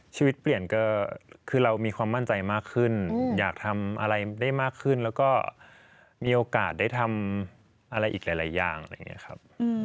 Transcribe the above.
ชีวิตเปลี่ยนก็คือเรามีความมั่นใจมากขึ้นอยากทำอะไรได้มากขึ้นแล้วก็มีโอกาสได้ทำอะไรอีกหลายอย่างอะไรอย่างนี้ครับ